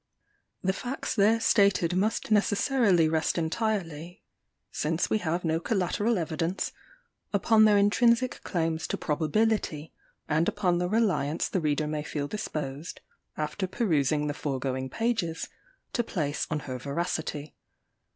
The facts there stated must necessarily rest entirely, since we have no collateral evidence, upon their intrinsic claims to probability, and upon the reliance the reader may feel disposed, after perusing the foregoing pages, to place on her veracity.